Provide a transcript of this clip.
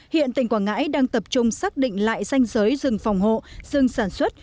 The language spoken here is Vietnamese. hiện tỉnh quảng ngãi đang tập trung xác định lại danh giới rừng phòng hộ rừng sản xuất